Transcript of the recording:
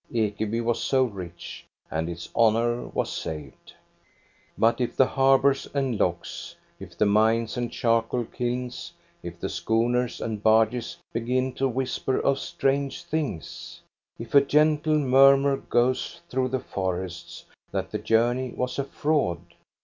Ekeby I Was so rich, and its honor was saved. ^90 THE STORY OF GO ST A BE RUNG But if the harbors and locks, if the mines and charcoal kilns, if the schooners and barges begin to whisper of strange things? If a gentle murmur goes through the forests that the journey was a fraud